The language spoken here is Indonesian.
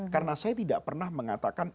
karena saya tidak pernah mengatakan